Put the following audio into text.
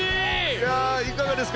いやいかがですか？